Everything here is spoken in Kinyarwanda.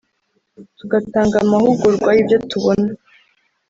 tugatanga amahugurwa y’ibyo tubona”